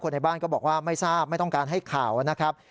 ในบ้านก็บอกว่าไม่ทราบไม่ต้องการให้ข่าวนะครับ